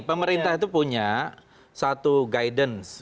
pemerintah itu punya satu guidance